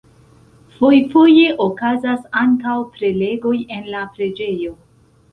Foje-foje okazas ankaŭ prelegoj en la preĝejo.